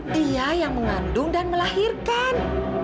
dia yang mengandung dan melahirkan